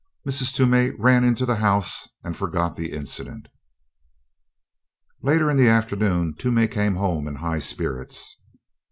Mrs. Toomey ran into the house and forgot the incident. Later in the afternoon Toomey came home in high spirits.